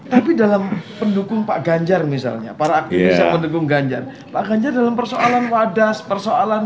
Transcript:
tapi dalam pendukung pak ganjar misalnya para aktivis yang mendukung ganjar pak ganjar dalam persoalan wadas persoalan